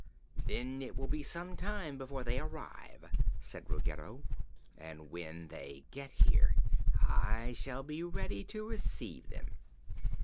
Then it will be some time before they arrive," said Ruggedo, "and when they get here I shall be ready to receive them."